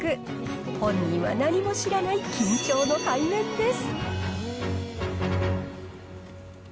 本人は何も知らない緊張の対面です。